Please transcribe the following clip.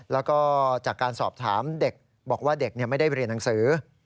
แล้วก็จากการสอบถามเด็กบอกว่าเด็กไม่ได้เรียนหนังสือ